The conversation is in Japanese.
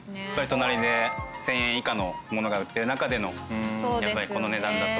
隣で１，０００円以下の物が売ってる中でのやっぱりこの値段だと。